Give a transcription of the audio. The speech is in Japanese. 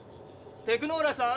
テクノーラさん。